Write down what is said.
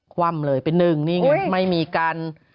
คว่ำเลยเป็นหนึ่งนี่ไงไม่มีการ